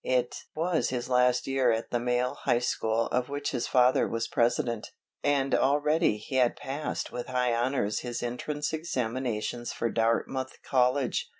It was his last year at the Male High School of which his father was President, and already he had passed with high honors his entrance examinations for Dartmouth College.